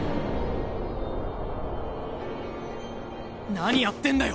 何やってんだよ